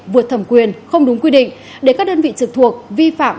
vượt thẩm quyền không đúng quy định để các đơn vị trực thuộc vi phạm